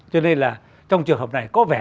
cho nên là trong trường hợp này có vẻ